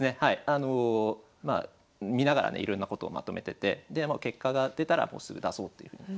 あの見ながらねいろんなことをまとめてて結果が出たらもうすぐ出そうっていうふうに。